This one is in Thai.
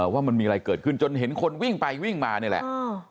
ว่ามันมีอะไรเกิดขึ้นจนเห็นคนวิ่งไปวิ่งมานี่แหละ